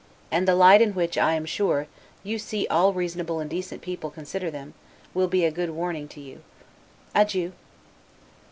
And the light in which, I am sure, you see all reasonable and decent people consider them, will be a good warning to you. Adieu.